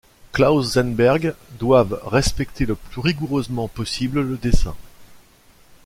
Klauzenberg doivent respecter le plus rigoureusement possible le dessin.